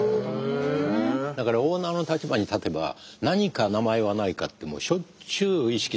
だからオーナーの立場に立てば何か名前はないかってしょっちゅう意識されているんですよ。